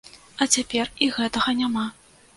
А цяпер і гэтага няма.